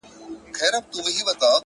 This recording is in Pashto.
له څه مودې راهيسي داسـي يـمـه؛